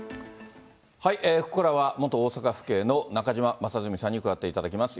ここからは、元大阪府警の中島正純さんに加わっていただきます。